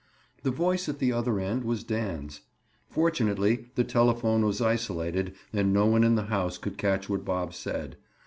The voice at the other end was Dan's. Fortunately the telephone was isolated and no one in the house could catch what Bob said.